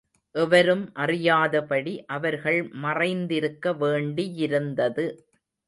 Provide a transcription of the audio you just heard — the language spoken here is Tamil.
எவரும் அறியாதபடி அவர்கள் மறைந்திருக்க வேண்டியிருந்தது.